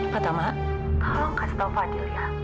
pak tama tolong kasih tahu fadil ya